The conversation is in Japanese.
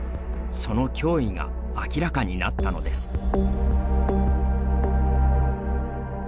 その脅威が明らかになったのです。